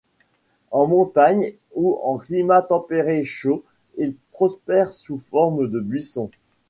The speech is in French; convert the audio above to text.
En montagne ou en climat tempéré chaud, il prospère sous forme de buisson.